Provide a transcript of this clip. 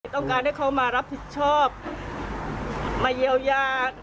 ต้องการให้เขามารับผิดชอบมาเยียวยา